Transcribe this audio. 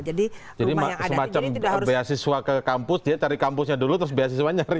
jadi semacam beasiswa ke kampus dia cari kampusnya dulu terus beasiswa nyari